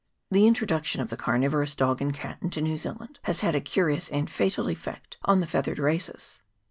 The introduction of the carnivorous dog and cat into New Zealand has had a curious and fatal effect on the feathered races.